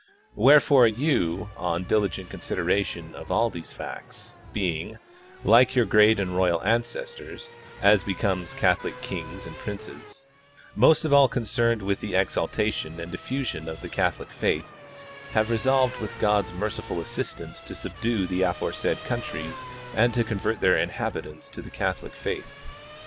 Wherefore you, on diligent consid eration of all these facts, being, like your great and royal ancestors (as becomes Catholic kings and princes), most of all concerned with the exaltation and diffusion of the Catholic faith, have re solved with God's merciful assistance to subdue the aforesaid countries and to convert their inhabitants to the Catholic faith.